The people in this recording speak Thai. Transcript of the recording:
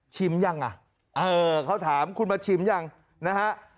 ยังอ่ะเออเขาถามคุณมาชิมยังนะฮะ